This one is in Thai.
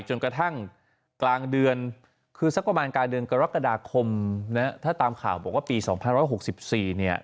จนกระทั่งกลางเดือนคือสักประมาณกลางเดือนกรกฎาคมนะถ้าตามข่าวบอกว่าปี๒๑๖๔เนี่ย